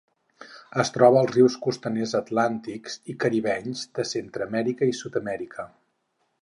Es troba als rius costaners atlàntics i caribenys de Centreamèrica i Sud-amèrica.